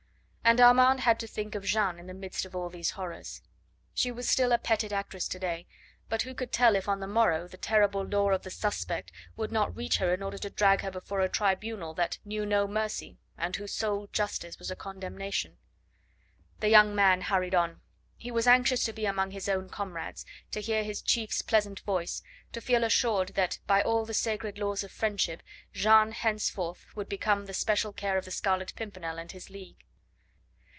And Armand had to think of Jeanne in the midst of all these horrors. She was still a petted actress to day, but who could tell if on the morrow the terrible law of the "suspect" would not reach her in order to drag her before a tribunal that knew no mercy, and whose sole justice was a condemnation? The young man hurried on; he was anxious to be among his own comrades, to hear his chief's pleasant voice, to feel assured that by all the sacred laws of friendship Jeanne henceforth would become the special care of the Scarlet Pimpernel and his league.